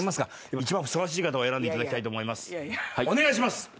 お願いします。